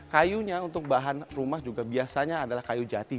kayunya untuk bahan rumah juga biasanya adalah kayu jati